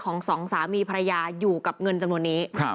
สองสามีภรรยาอยู่กับเงินจำนวนนี้